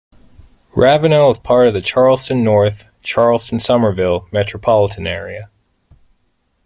Ravenel is part of the Charleston-North Charleston-Summerville metropolitan area.